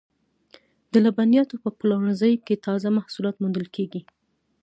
د لبنیاتو په پلورنځیو کې تازه محصولات موندل کیږي.